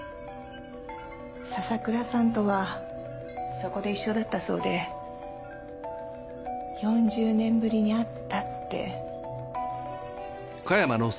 笹倉さんとはそこで一緒だったそうで４０年ぶりに会ったって。